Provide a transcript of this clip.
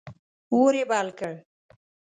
اور یې بل کړ.